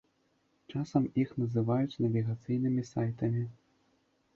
Часам іх называюць навігацыйнымі сайтамі.